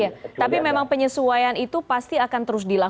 ya tapi memang penyesuaian itu pasti akan terus dilakukan